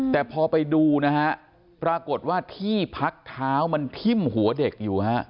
แต่พอไปดูนะฮะปรากฏว่าที่พักเท้ามันทิ่มหัวเด็กอยู่ฮะ